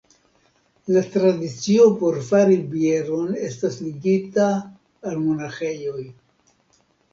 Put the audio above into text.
La tradicio por fari bieron estas ligita al monaĥejoj.